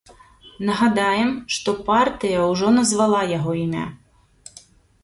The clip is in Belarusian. Нагадаем, што партыя ўжо назвала яго імя.